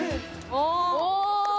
お！